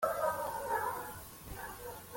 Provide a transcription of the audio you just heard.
Umukobwa we Ange nawe yari yahateye amatako.